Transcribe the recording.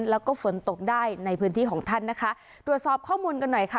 แล้วก็ฝนตกได้ในพื้นที่ของท่านนะคะตรวจสอบข้อมูลกันหน่อยค่ะ